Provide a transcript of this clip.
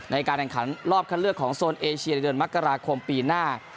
ในการแข่งขันรอบคันเลือกของโซนเอเชียในเดือนมกราคมปีหน้า